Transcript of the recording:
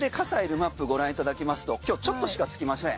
マップご覧いただきますと今日ちょっとしかつきません。